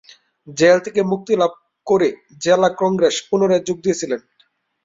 Jail থেকে মুক্তিলাভ করে জেলা কংগ্রেসে পূনরায় যোগ দিয়েছিলেন।